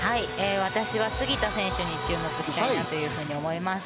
私は杉田選手に注目したいなと思います。